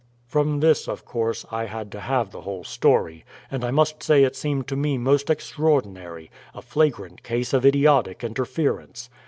From this, of course, I had to have the whole story, and I must say it seemed to me most extraordinary a flagrant case of idiotic interference.